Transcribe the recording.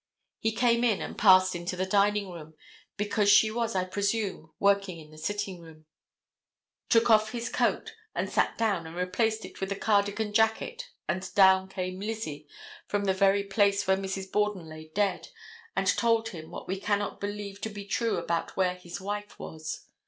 He came in and passed into the dining room, because she was, I presume, working in the sitting room, took off his coat and sat down and replaced it with a cardigan jacket and down came Lizzie from the very place where Mrs. Borden lay dead and told him what we cannot believe to be true about where his wife was.